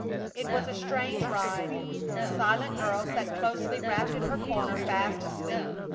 It was a strange ride. The silent girl sat closely wrapped in her corner, fast asleep.